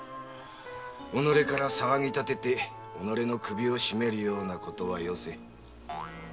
己から騒ぎ立てて己の首を締めるような事はよせ！